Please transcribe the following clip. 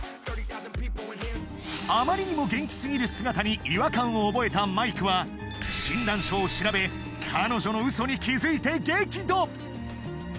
あまりにも元気すぎる姿に違和感を覚えたマイクは診断書を調べ彼女のウソに気づいて激怒！